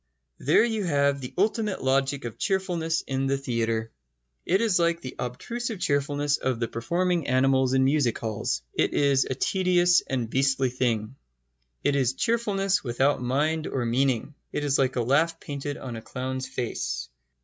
There you have the ultimate logic of cheerfulness in the theatre. It is like the obtrusive cheerfulness of the performing animals in music halls. It is a tedious and beastly thing. It is cheerfulness without mind or meaning. It is like a laugh painted on a clown's face.